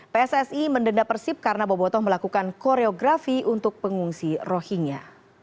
pssi mendenda persib karena bobotoh melakukan koreografi untuk pengungsi rohingya